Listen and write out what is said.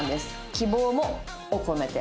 希望を込めて」